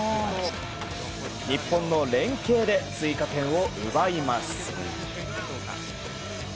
日本の連係で追加点を奪います。